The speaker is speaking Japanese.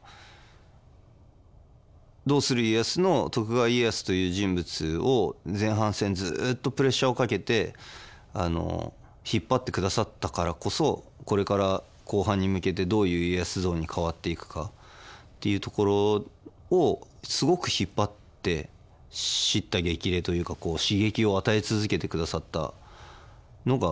「どうする家康」の徳川家康という人物を前半戦ずっとプレッシャーをかけて引っ張ってくださったからこそこれから後半に向けてどういう家康像に変わっていくかっていうところをすごく引っ張って叱咤激励というか刺激を与え続けてくださったのが岡田君なので。